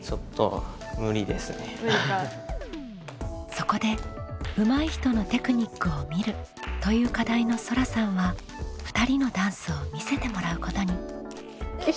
そこで「うまい人のテクニックを見る」という課題のそらさんは２人のダンスを見せてもらうことに。